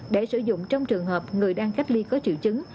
để sử dụng trong trường hợp người đang cách ly có triệu chứng